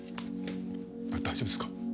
あっ大丈夫ですか？